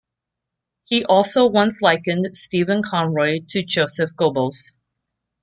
He also once likened Stephen Conroy to Joseph Goebbels.